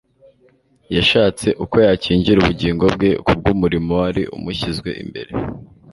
yashatse uko yakingira ubugingo bwe kubw'umurimo wari umushyizwe imbere